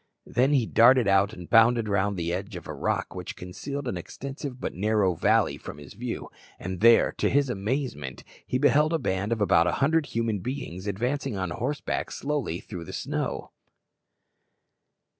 Then he darted out and bounded round the edge of a rock which concealed an extensive but narrow valley from his view, and there, to his amazement, he beheld a band of about a hundred human beings advancing on horseback slowly through the snow.